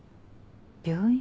病院？